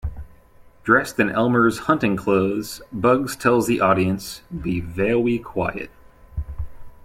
Dressed in Elmer's hunting clothes, Bugs tells the audience, Be vewy quiet.